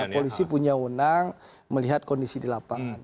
polisi punya wenang melihat kondisi di lapangan